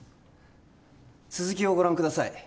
続きをご覧ください